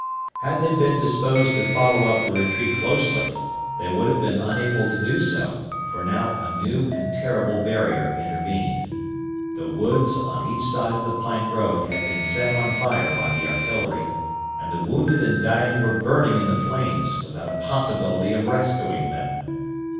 Had they been disposed to follow up the retreat closely they would have been unable to do so, for now a new and terrible barrier intervened; the woods on each side of the Plank Road had been set on fire by the artillery and the wounded and dying were burning in the flames without a possibility of rescuing them.